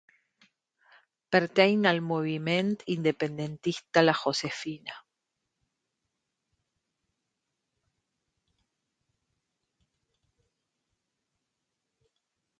Pertany al moviment independentista la Josefina?